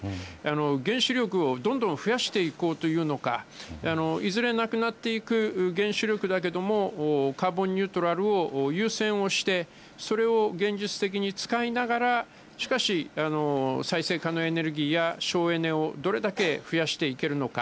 原子力をどんどん増やしていこうというのか、いずれなくなっていく原子力だけども、カーボンニュートラルを優先をして、それを現実的に使いながら、しかし、再生可能エネルギーや省エネをどれだけ増やしていけるのか。